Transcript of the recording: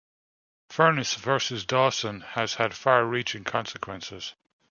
"Furniss versus Dawson" has had far-reaching consequences.